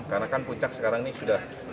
karena kan puncak sekarang ini sudah